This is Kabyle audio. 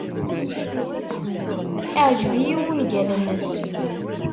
Iɛjeb-iyi wungal-nnes.